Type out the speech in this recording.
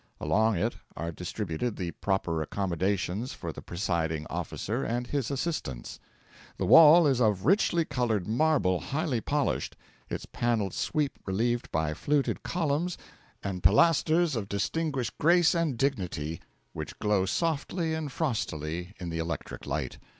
Along it are distributed the proper accommodations for the presiding officer and his assistants. The wall is of richly coloured marble highly polished, its paneled sweep relieved by fluted columns and pilasters of distinguished grace and dignity, which glow softly and frostily in the electric light.